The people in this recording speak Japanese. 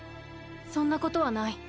そんなことはない。